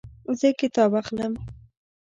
زه کتاب اخلم